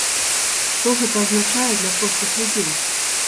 Што гэта азначае для простых людзей?